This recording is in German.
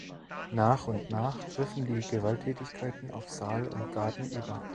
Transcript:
Nach und nach griffen die Gewalttätigkeiten auf Saal und Garten über.